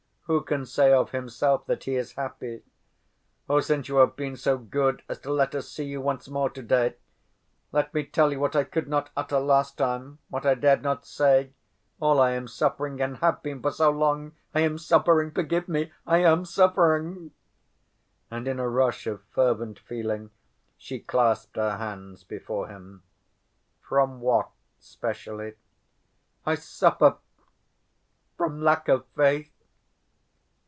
Who can say of himself that he is happy? Oh, since you have been so good as to let us see you once more to‐day, let me tell you what I could not utter last time, what I dared not say, all I am suffering and have been for so long! I am suffering! Forgive me! I am suffering!" And in a rush of fervent feeling she clasped her hands before him. "From what specially?" "I suffer ... from lack of faith."